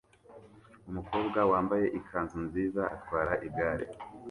Umukobwa wambaye ikanzu nziza atwara igare